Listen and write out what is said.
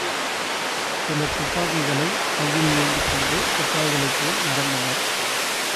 சிலர் துப்பாக்கிகளைக் கையில் ஏந்திக்கொண்டு சிப்பாய்களைப் போல் நடந்தனர்.